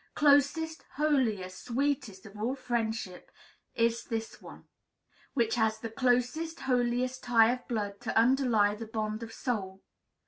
Closest, holiest, sweetest of all friendships is this one, which has the closest, holiest tie of blood to underlie the bond of soul.